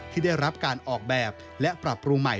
ที่ได้รับการออกแบบและปรับปรุงใหม่